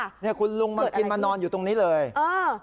เนี่ยคุณลุงมากินมานอนอยู่ตรงนี้เลยเออ